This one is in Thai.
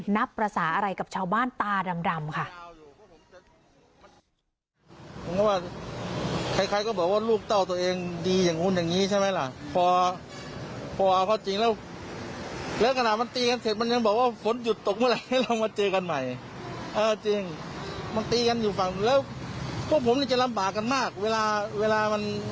นับภาษาอะไรกับชาวบ้านตาดำค่ะ